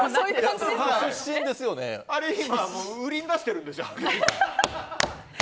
あれ、今売りに出してるんですよ。